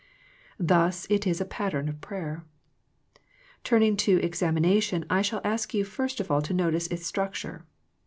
Thus it is a pattern prayer. Turning to examination I shall ask you first of all to notice its structure.